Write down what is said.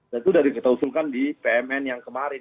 itu sudah diusulkan di pmn yang kemarin